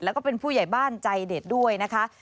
แล้วก็เป็นผู้ใหญ่บ้านใจเด็ดด้วยนะคะ